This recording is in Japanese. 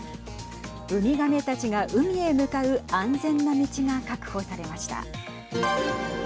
海亀たちが海へ向かう安全な道が確保されました。